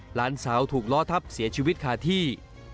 หลานสาวถูกล้อทับเสียชีวิตคาที่